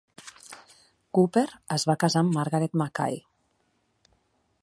Copper es va casar amb Margaret Mackay.